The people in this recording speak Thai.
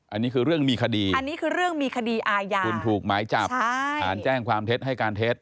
อันนี้คือเรื่องมีคดีคุณถูกหมายจับอ่านแจ้งความเท็จให้การเท็จ